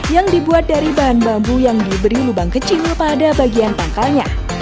yang dibuat dari bahan bambu yang diberi lubang kecil pada bagian pangkalnya